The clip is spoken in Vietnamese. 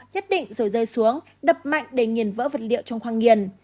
nhất định rồi rơi xuống đập mạnh để nghiền vỡ vật liệu trong khoang nghiền